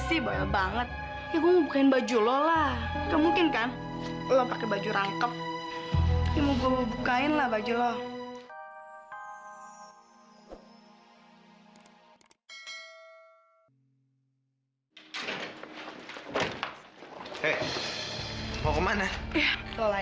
sampai jumpa di video selanjutnya